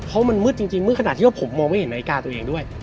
เพราะมันมืดจริงมืดขนาดที่ว่าผมมองไม่เห็นนาฬิกาตัวเองด้วย